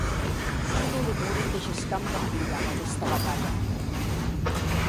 Ja non demori que gescam damb vida d’aguesta batalha.